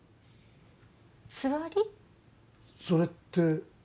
それって。